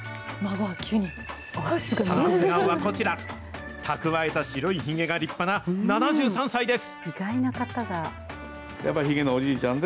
その素顔はこちら、蓄えた白いひげが立派な７３歳です。